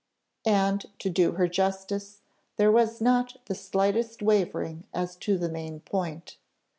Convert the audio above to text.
And, to do her justice, there was not the slightest wavering as to the main point.